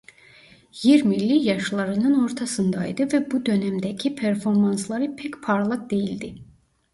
Yirmili yaşlarının ortasındaydı ve bu dönemdeki performansları pek parlak değildi.